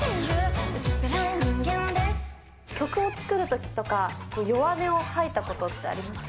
曲を作るときとか、弱音を吐いたことってありますか。